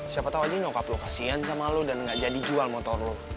siapa tau aja nyokap lo kasihan sama lo dan gak jadi jual motor lo